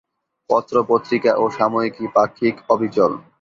পত্র-পত্রিকা ও সাময়িকী পাক্ষিক: অবিচল।